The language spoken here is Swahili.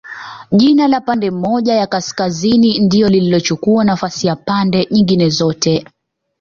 Jina la pande moja ya Kaskazini ndio lililochukua nafasi ya pande nyingine zote